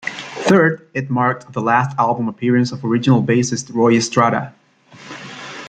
Third, it marked the last album appearance of original bassist Roy Estrada.